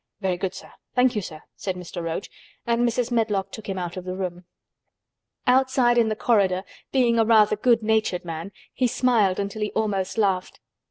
"Very good, sir. Thank you, sir," said Mr. Roach, and Mrs. Medlock took him out of the room. Outside in the corridor, being a rather good natured man, he smiled until he almost laughed.